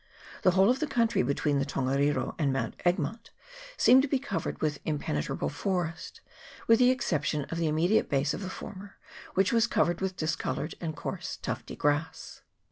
The whole of the country between the Tongariro and Mount Egmont seemed to be covered with impenetrable forest, with the exception of the immediate base of the former, which was covered with discoloured and coarse tufty grass.